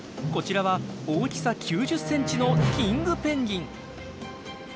こちらは大きさ９０ｃｍのキングペンギン。